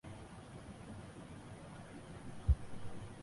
胶海关旧址此后长期作为青岛海关办公楼使用。